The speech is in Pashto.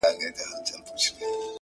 راسه چي زړه ښه درته خالي كـړمـه،